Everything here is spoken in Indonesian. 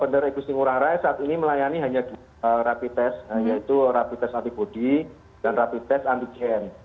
bandara ekusin ngurah rai saat ini melayani hanya rapid test yaitu rapid test antibody dan rapid test antigen